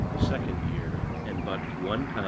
the second year, and but £1, 12s.